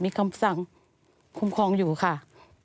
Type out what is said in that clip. มีคำสั่งคุ้มครองอยู่ค่ะ